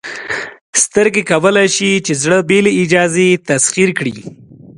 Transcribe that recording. سترګې کولی شي چې زړه بې له اجازې تسخیر کړي.